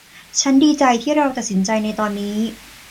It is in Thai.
ฉันดีใจที่เราตัดสินใจในตอนนี้